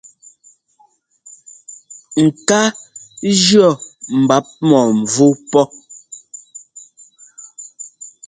Ŋ́kaa jʉ́ɔ mbap̧ -mɔ̂mvú pɔ́.